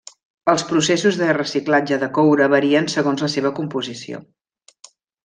Els processos de reciclatge de coure varien segons la seva composició.